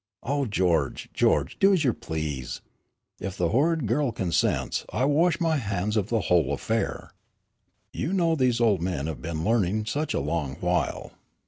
"Oh, George, George, do as you please. If the horrid girl consents, I wash my hands of the whole affair." "You know these old men have been learning such a long while."